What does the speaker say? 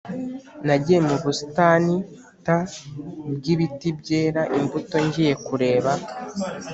Nagiye mu busitani t bw ibiti byera imbuto ngiye kureba